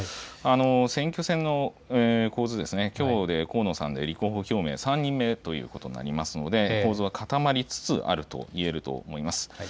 選挙戦の構図、きょうで河野さんで立候補表明３人目ということになりますので構図は固まりつつあると言えると思います。